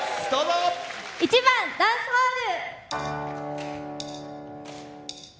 １番「ダンスホール」。